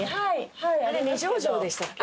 あれ二条城でしたっけ？